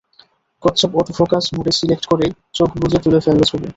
কচ্ছপ auto focus mode select করেই চোখ বুজে তুলে ফেলল ছবি।